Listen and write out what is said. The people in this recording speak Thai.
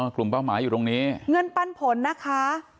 เป้าหมายอยู่ตรงนี้เงินปันผลนะคะ